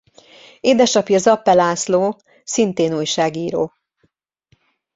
Édesapja Zappe László szintén újságíró.